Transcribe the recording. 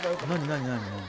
何何？